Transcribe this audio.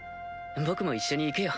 僕も一緒に行くよ。